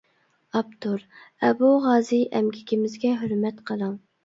ئاپتور: ئەبۇ غازى ئەمگىكىمىزگە ھۆرمەت قىلىڭ!